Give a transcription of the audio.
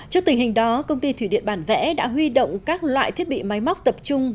trước tình hình đó công ty thủy điện bản vẽ đã huy động các loại thiết bị máy móc tập trung